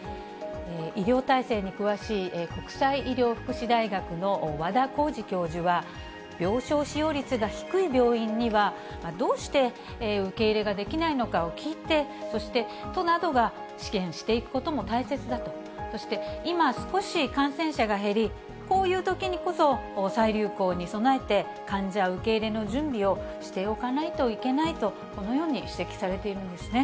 医療体制に詳しい、国際医療福祉大学の和田耕治教授は、病床使用率が低い病院には、どうして受け入れができないのかを聞いて、そして都などが支援していくことも大切だと、そして今少し感染者が減り、こういうときにこそ再流行に備えて、患者受け入れの準備をしておかないといけないと、このように指摘